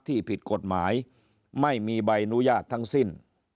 ที่ผิดกฎหมายไม่มีใบอนุญาตทั้งสิ้น